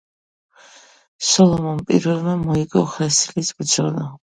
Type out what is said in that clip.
სოლომონ პირველმა მოიგო ხრესილის ბრძოლა